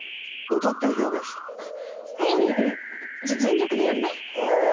じゃあ全力でやるね。